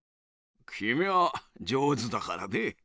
きみは上手だからね。